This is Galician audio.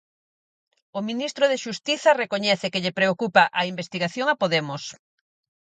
O ministro de Xustiza recoñece que lle preocupa a investigación a Podemos.